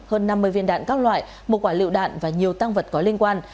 hơn năm mươi viên đạn các loại một quả liệu đạn và nhiều tăng vật có liên quan